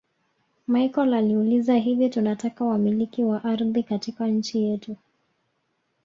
Machel aliuliza hivi tunataka wamiliki wa ardhi katika nchi yetu